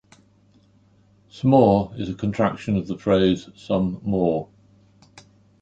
"S'more" is a contraction of the phrase "some more".